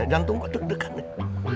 jangan tunggu deket deket